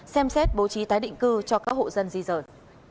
xem xét bố trí tái định cư cho các hộ dân di rời